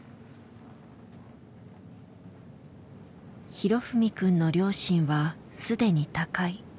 裕史くんの両親はすでに他界。